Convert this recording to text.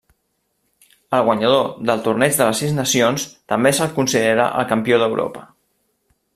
El guanyador del Torneig de les Sis Nacions també se'l considera el campió d'Europa.